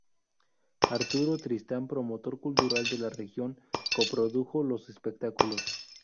Arturo Tristán, promotor cultural de la región, coprodujo los espectáculos.